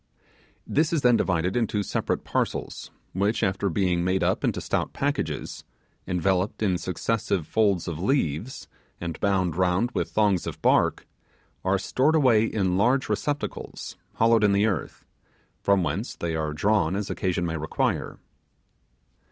This is then divided into separate parcels, which, after being made up into stout packages, enveloped in successive folds of leaves, and bound round with thongs of bark, are stored away in large receptacles hollowed in the earth, from whence they are drawn as occasion may require.